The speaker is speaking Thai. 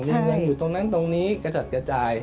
เรียงอยู่ตรงนั้นตรงนี้กระจัดกระจาย